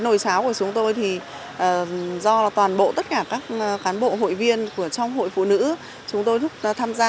nồi cháo của chúng tôi thì do toàn bộ tất cả các cán bộ hội viên của trong hội phụ nữ chúng tôi tham gia